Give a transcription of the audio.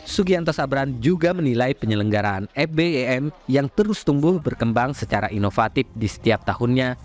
sugianto sabran juga menilai penyelenggaraan fbem yang terus tumbuh berkembang secara inovatif di setiap tahunnya